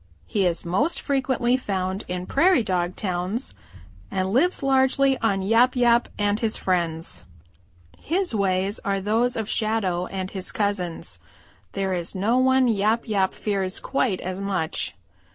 He is most frequently found in Prairie dog towns and lives largely on Yap Yap and his friends. His ways are those of Shadow and his cousins. There is no one Yap Yap fears quite as much.